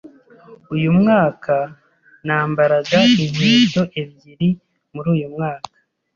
Uyu mwaka nambaraga inkweto ebyiri muri uyu mwaka.